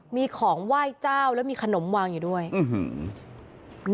มีของไหว้เจ้าแล้วมีขนมวางอยู่ด้วยอื้อหือ